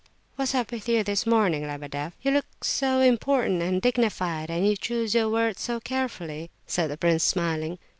"What's up with you this morning, Lebedeff? You look so important and dignified, and you choose your words so carefully," said the prince, smiling.